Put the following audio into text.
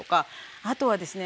あとはですね